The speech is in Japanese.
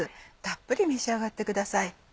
たっぷり召し上がってください。